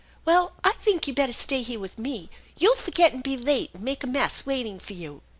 " Well, I think you'd better stay here with me. You'll forget and be late, and make a mess waiting for you."